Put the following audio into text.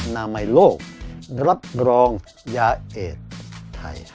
นามัยโลกรับรองยาเอกไทย